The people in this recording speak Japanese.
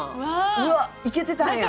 うわいけてたんや。